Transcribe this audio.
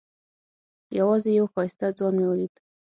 یوازې یو ښایسته ځوان مې ولید.